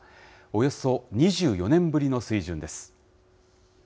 およそ２４年ぶりの水準です。